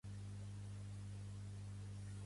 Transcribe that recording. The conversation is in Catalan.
Pertany al moviment independentista la Prudent?